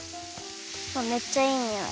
めっちゃいいにおい。